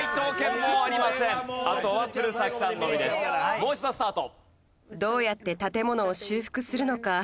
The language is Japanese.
もう一度スタート。